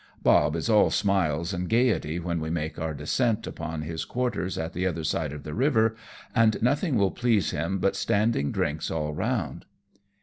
Bob is all smiles and gaiety when we make our descent upon his quarters at the other side of the river, and nothing will please him but standing drinks all round.